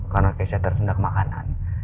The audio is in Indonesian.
karena keisha tersendak makanan